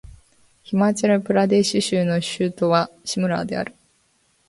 ヒマーチャル・プラデーシュ州の州都はシムラーである